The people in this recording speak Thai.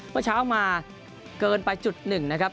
เมื่อเช้ามาเกินไป๐๑นะครับ